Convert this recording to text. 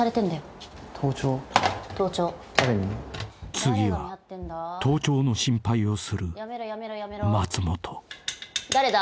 ［次は盗聴の心配をする松本］